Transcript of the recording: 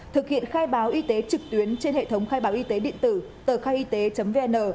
thực hiện khai báo y tế trực tuyến trên hệ thống khai báo y tế điện tử tờ khaiyt vn